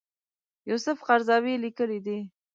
یوسف قرضاوي لیکلي دي.